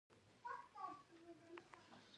دیني ارشاداتو او اعتقاد زېږنده دي.